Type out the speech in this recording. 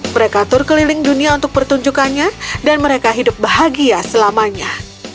mereka tur keliling dunia untuk pertunjukannya dan mereka hidup bahagia selamanya